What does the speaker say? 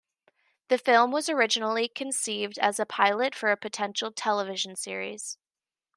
The film was originally conceived as a pilot for a potential television series.